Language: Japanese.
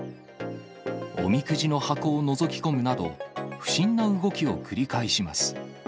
おみくじの箱をのぞき込むなど、不審な動きを繰り返します。